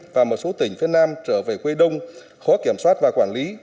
và một số tỉnh phía nam trở về quê đông khó kiểm soát và quản lý